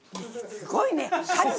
すごいね！